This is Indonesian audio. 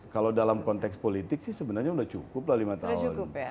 kalau dalam konteks politik sih sebenarnya sudah cukup lah lima tahun